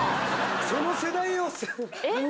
その世代をうわ！